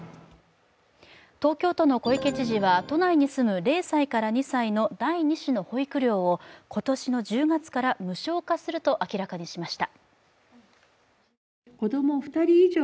東京都の小池知事は都内に住む０歳から２歳の第２子の保育料を今年の１０月から無償化すると明らかにしました。